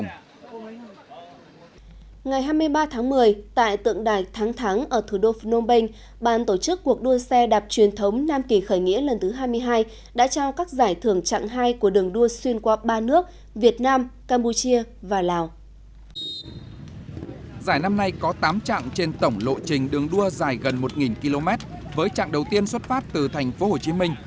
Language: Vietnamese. giải năm nay có tám trạng trên tổng lộ trình đường đua dài gần một km với trạng đầu tiên xuất phát từ thành phố hồ chí minh